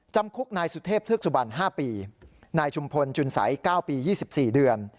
จำคุกนายสุเทพเทือกสุบัน๕ปีนายชุมพลจุนสัย๙ปี๒๔เดือน